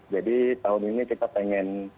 jadi tahun ini kita pengen